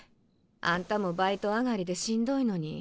あんたもバイト上がりでしんどいのに。